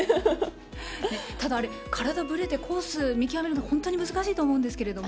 ただ、体がぶれてコースを見極めるのが本当に難しいと思うんですけども。